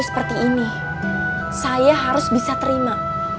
seperti ini saya harus bisa terima